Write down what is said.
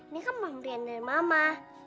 ini kan mama merindai mama